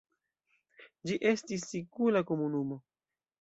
Ĝi estis sikula komunumo.